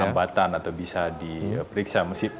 tambatan atau bisa diperiksa